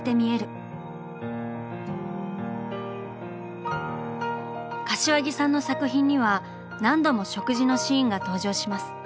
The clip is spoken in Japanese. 柏木さんの作品には何度も食事のシーンが登場します。